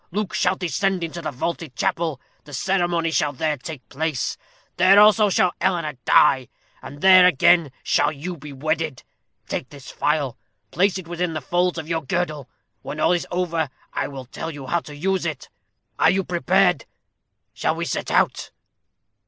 Luke shall descend into the vaulted chapel, the ceremony shall there take place there also shall Eleanor die and there again shall you be wedded. Take this phial, place it within the folds of your girdle. When all is over, I will tell you how to use it. Are you prepared? Shall we set out?"